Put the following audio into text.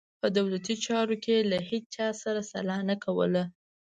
په دولتي چارو کې یې له هیچا سره سلا نه کوله.